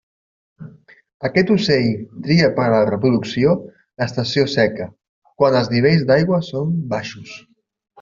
Aquest ocell tria per a la reproducció l'estació seca, quan els nivells d'aigua són baixos.